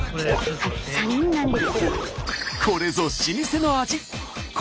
３人なんです。